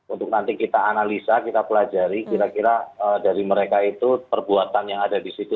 untuk nanti kita analisa kita pelajari kira kira dari mereka itu perbuatan yang ada di situ